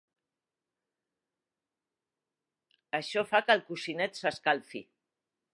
Això fa que el coixinet s'escalfi.